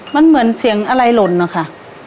มันเหมือนเสียงอะไรหล่นนะคะ